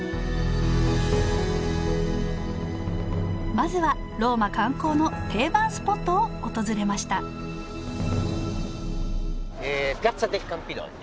まずはローマ観光の定番スポットを訪れましたピアッツア・デル・カンピドリオ。